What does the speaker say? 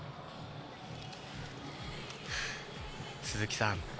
鈴木さん